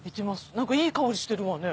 何かいい香りしてるわね。